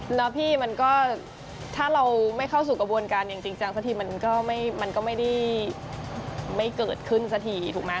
นะพี่มันก็ถ้าเราไม่เข้าสู่กระบวนการอย่างจริงจังสักทีมันก็ไม่ได้ไม่เกิดขึ้นสักทีถูกไหม